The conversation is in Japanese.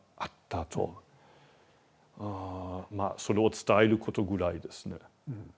うんまあそれを伝えることぐらいですね。